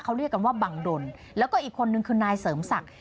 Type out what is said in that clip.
เขาเรียกกันว่าบังดลแล้วก็อีกคนนึงคือนายเสริมศักดิ์